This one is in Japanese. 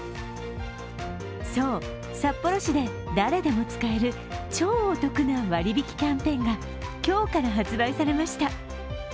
そう、札幌市で誰でも使える超お得な割引キャンペーンが今日から発売されました。